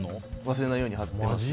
忘れないように貼ってます。